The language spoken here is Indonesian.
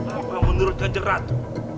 apa menurut ganjeng ratu